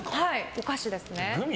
お菓子ですね。